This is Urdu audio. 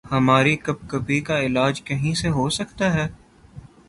ہماری کپکپی کا علاج کہیں سے ہو سکتا ہے؟